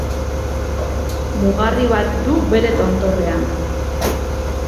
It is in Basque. Mugarri bat du bere tontorrean.